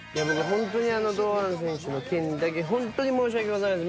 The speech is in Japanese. ほんとに堂安選手の件だけほんとに申し訳ございません。